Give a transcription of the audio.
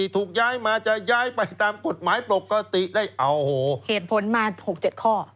ถูกย้ายมาจะย้ายไปตามกฎหมายปกติได้เอาเหตุผลมา๖๗ข้อ